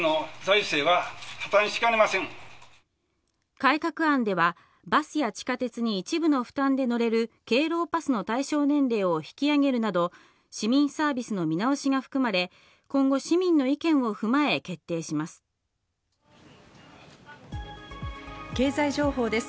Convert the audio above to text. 改革案では、バスや地下鉄に一部の負担で乗れる敬老バスの対象年齢を引き上げるなど市民サービスの見直しが含まれ、今後、市民の意見を踏まえ決定します。